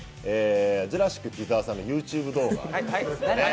ジュラシック木澤さんのＹｏｕＴｕｂｅ動画。